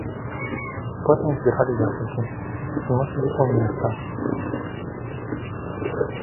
Потым збіралі яблыкі, зносілі ў места.